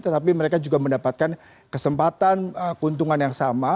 tetapi mereka juga mendapatkan kesempatan keuntungan yang sama